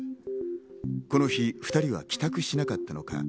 この日、２人は帰宅しなかったのか。